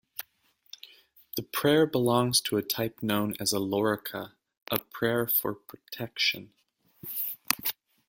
The prayer belongs to a type known as a "lorica", a prayer for protection.